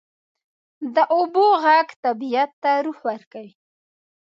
د اوبو ږغ طبیعت ته روح ورکوي.